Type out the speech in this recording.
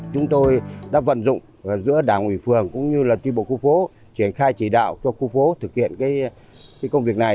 chúng tôi đã vận dụng giữa đảng ủy phương cũng như là chi bộ khu phố triển khai chỉ đạo cho khu phố thực hiện cái công việc này